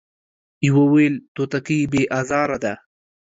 يوه ويل توتکۍ بې ازاره ده ،